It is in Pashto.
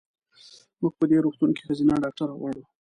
مونږ په دې روغتون کې ښځېنه ډاکټره غواړو.